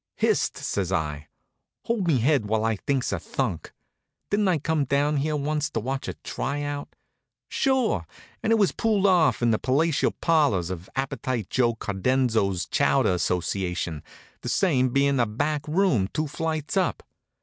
"Hist!" says I. "Hold me head while I thinks a thunk. Didn't I come down here once to watch a try out? Sure! And it was pulled off in the palatial parlors of Appetite Joe Cardenzo's Chowder Association, the same being a back room two flights up.